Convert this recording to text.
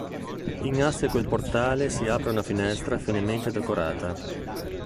In asse con il portale si apre una finestra finemente decorata.